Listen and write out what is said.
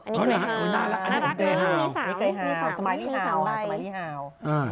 นี่สาวสไมลี่ฮาวสมัยนี่ที่เฮาว์